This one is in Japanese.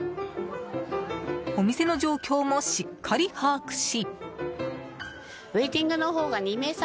お店の状況もしっかり把握し。